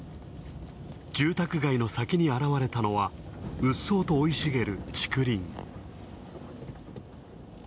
住宅街の先に現れたのは、うっそうと生い茂る竹林。